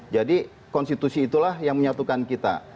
jadi konstitusi itulah yang menyatukan kita